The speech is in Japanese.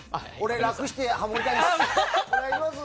楽してハモりたいです。